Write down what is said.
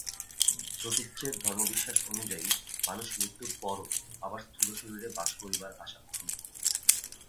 প্রতীচ্যের ধর্মবিশ্বাস অনুযায়ী মানুষ মৃত্যুর পরও আবার স্থূল শরীরে বাস করিবার আশা পোষণ করে।